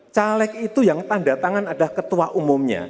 caleg itu yang tanda tangan ada ketua umumnya